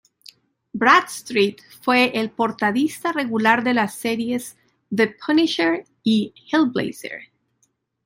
Bradstreet fue el portadista regular de las series T"he Punisher" y "Hellblazer".